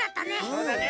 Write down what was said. そうだね！